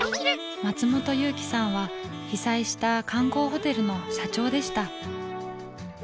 松本勇毅さんは被災した観光ホテルの社長でした。